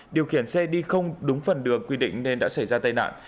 điều khiển xe đi không đúng phần đường quy định nên đã xảy ra tai nạn